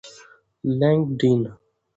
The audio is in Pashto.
لینکډین